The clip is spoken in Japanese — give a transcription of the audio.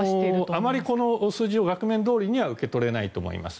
あまり数字を額面どおりには受け止められないと思います。